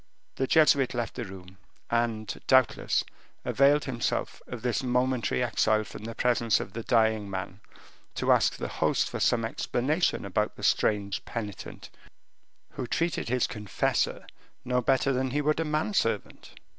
The Jesuit left the room, and, doubtless, availed himself of this momentary exile from the presence of the dying man to ask the host for some explanation about this strange penitent, who treated his confessor no better than he would a man servant.